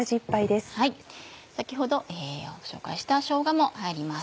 先ほどご紹介したしょうがも入ります。